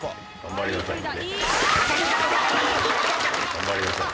頑張りなさいね。